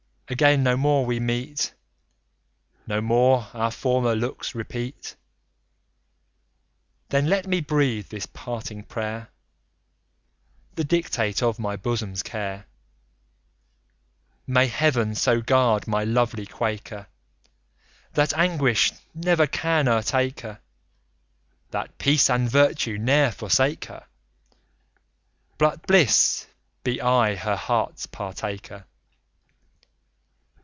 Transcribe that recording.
again no more we meet, No more our former looks repeat; Then, let me breathe this parting prayer, The dictate of my bosom's care: "May Heaven so guard my lovely quaker. That anguish never can o'ertake her; That peace and virtue ne'er forsake her, But bliss be aye her heart's partaker!